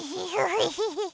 ヘヘヘヘ。